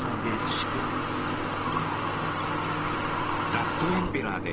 「ラストエンペラー」で